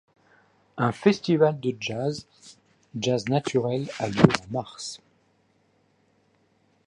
Un festival de jazz, Jazz naturel, a lieu en mars.